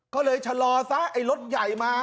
ก็เลยชะลอซะไอ้รถใหญ่มา